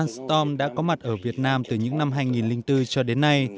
ostrom đã có mặt ở việt nam từ những năm hai nghìn bốn cho đến nay